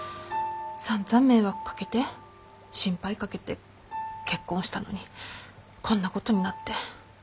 さんざん迷惑かけて心配かけて結婚したのにこんなことになって。